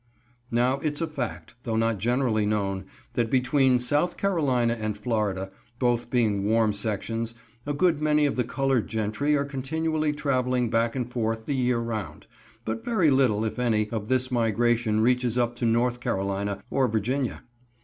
Now its a fact, though not generally known, that between South Carolina and Florida, both being warm sections, a good many of the colored gentry are continually traveling back and forth the year round, but very little, if any, of this migration reaches up to North Carolina or Virginia.